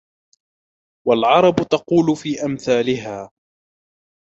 وَالْعَرَبُ تَقُولُ فِي أَمْثَالِهَا